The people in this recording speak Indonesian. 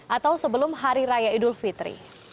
atau sebelum hari raya idul fitri